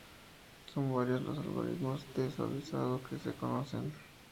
Son varios los algoritmos de suavizado que se conocen.